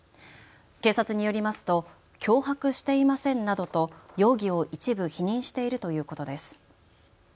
警察によりますと脅迫していませんなどと容疑を一部否認しているということです。